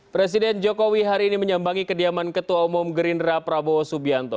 presiden jokowi hari ini menyambangi kediaman ketua umum gerindra prabowo subianto